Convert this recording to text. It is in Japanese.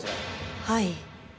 はい。